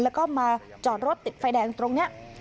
แล้วก็มาจอดรถติดไฟแดงตรงนี้